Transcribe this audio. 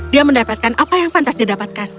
dia mendapatkan apa yang pantas didapatkan